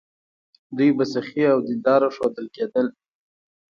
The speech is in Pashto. دوی به سخي او دینداره ښودل کېدل.